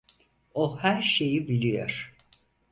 O her şeyi biliyor.